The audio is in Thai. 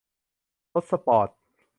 รถสปอร์ต